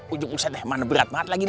ujuk ujuk mana berat banget lagi